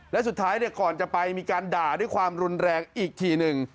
และสุดท้ายก่อนจะไปมีการด่าด้วยความรุนแรงอีกทีหนึ่ง